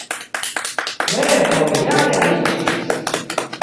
Revoj ja realiĝis!